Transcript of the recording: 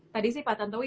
tadi sih pak tantowi